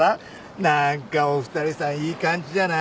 なんかお二人さんいい感じじゃない？